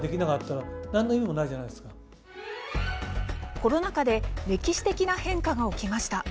コロナ禍で歴史的な変化が起きました。